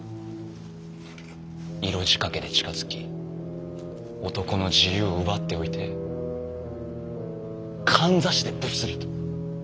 色仕掛けで近づき男の自由を奪っておいてかんざしでブスリと。